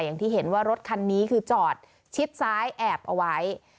อย่างที่เห็นว่ารถคันนี้คือจอดชิดซ้ายแอบเอาไว้